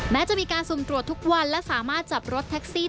แม้จะมีการสุ่มตรวจทุกวันและสามารถจับรถแท็กซี่